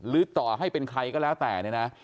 ลืมต่อให้เป็นใครก็แล้วแต่